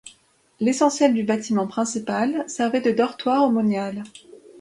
L'essentiel du bâtiment principal servait de dortoir aux moniales.